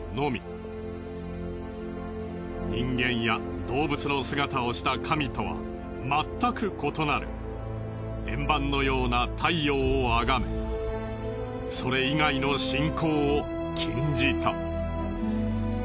人間や動物の姿をした神とはまったく異なる円盤のような太陽を崇めそれ以外の信仰を禁じた。